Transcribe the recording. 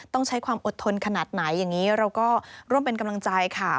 ต้องใช้ความอดทนขนาดไหนอย่างนี้เราก็ร่วมเป็นกำลังใจค่ะ